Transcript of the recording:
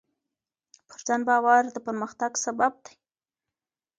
پر ځان باور د پرمختګ سبب دی.